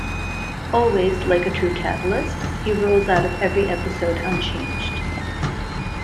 Always, like a true catalyst, he rolls out of every episode unchanged.